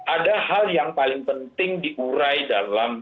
ada hal yang paling penting diurai dalam